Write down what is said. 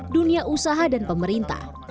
dunia usaha dan pemerintah